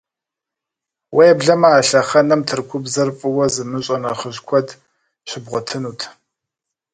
Уеблэмэ а лъэхъэнэм Тыркубзэр фӀыуэ зымыщӀэ нэхъыжь куэд щыбгъуэтынут.